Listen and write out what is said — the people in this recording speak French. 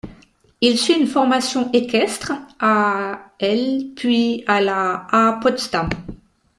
Il suit une formation équestre à l' puis à la à Potsdam.